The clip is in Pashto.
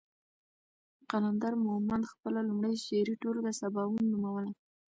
قلندر مومند خپله لومړۍ شعري ټولګه سباوون نوموله.